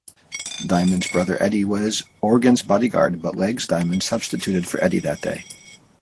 Diamond's brother Eddie was Orgen's bodyguard, but Legs Diamond substituted for Eddie that day.